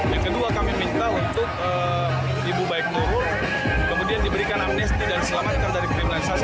yang kedua kami minta untuk ibu baik nurul kemudian diberikan amnesti dan selamatkan dari kriminalisasi